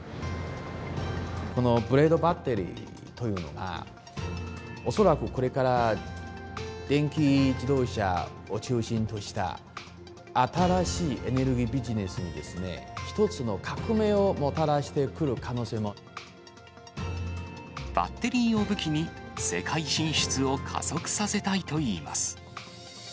このブレードバッテリーというのが、恐らくこれから電気自動車を中心とした、新しいエネルギービジネスに、一つの革命をもたらしてくる可能バッテリーを武器に、世界進出を加速させたいといいます。